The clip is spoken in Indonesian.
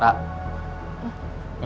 dia udah keliatan